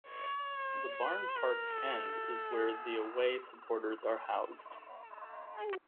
The Barn Park End is where the away supporters are housed.